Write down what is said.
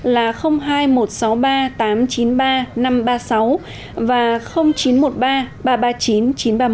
là hai nghìn một trăm sáu mươi ba tám trăm chín mươi ba năm trăm ba mươi sáu và chín trăm một mươi ba ba trăm ba mươi chín chín trăm ba mươi một